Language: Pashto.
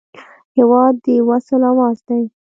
هېواد د وصل اواز دی.